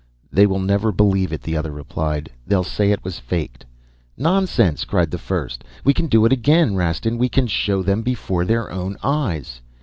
"'They will never believe it,' the other replied. 'They'll say it was faked.' "'Nonsense!' cried the first. 'We can do it again, Rastin; we can show them before their own eyes!'